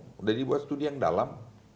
sudah dibuat studi yang dalam